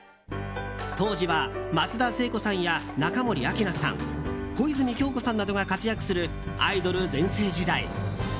当時は松田聖子さんや中森明菜さん小泉今日子さんなどが活躍するアイドル全盛時代。